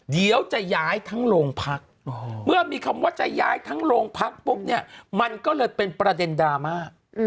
เดี๋ยวจะย้ายทั้งโรงพักเมื่อมีคำว่าจะย้ายทั้งโรงพักปุ๊บเนี่ยมันก็เลยเป็นประเด็นดราม่า